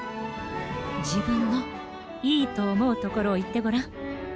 じぶんのいいとおもうところをいってごらん。